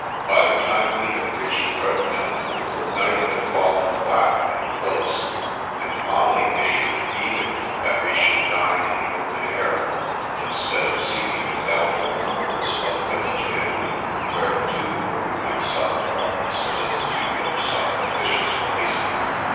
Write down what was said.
By the time we had reached Gurtnellen night had fallen black and close, and Molly issued an edict that we should dine in the open air, instead of seeking the doubtful comforts of a village inn, where, too, we might suffer from the solicitude of some officious policeman.